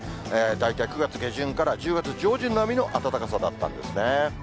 大体９月下旬から１０月上旬並みの暖かさだったんですね。